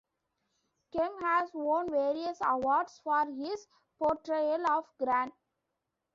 Kemp has won various awards for his portrayal of Grant.